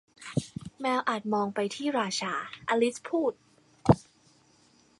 แมวอาจมองไปที่ราชา อลิซพูด